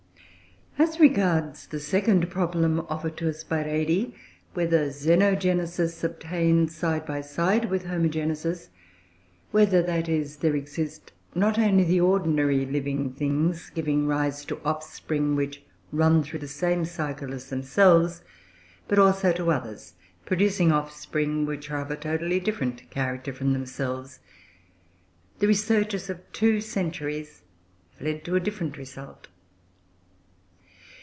As regards the second problem offered to us by Redi, whether Xenogenesis obtains, side by side with Homogenesis, whether, that is, there exist not only the ordinary living things, giving rise to offspring which run through the same cycle as themselves, but also others, producing offspring which are of a totally different character from themselves, the researches of two centuries have led to a different result.